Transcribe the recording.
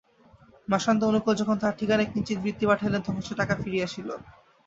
মাসান্তে অনুকূল যখন তাহার ঠিকানায় কিঞ্চিৎ বৃত্তি পাঠাইলেন তখন সে টাকা ফিরিয়া আসিল।